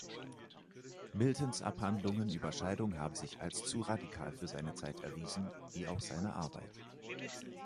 Miltons Abhandlungen über Scheidung haben sich als zu radikal für seine Zeit erwiesen, wie auch seine Arbeit.